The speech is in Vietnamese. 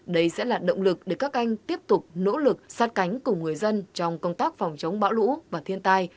đây sẽ là động lực để các anh tiếp tục nỗ lực sát cánh cùng người dân trong công tác phòng chống bão lũ và thiên tai